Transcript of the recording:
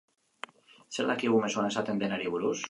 Zer dakigu mezuan esaten denari buruz?